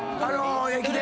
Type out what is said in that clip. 駅伝。